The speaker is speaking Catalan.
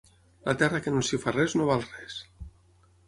La terra que no s'hi fa res no val res.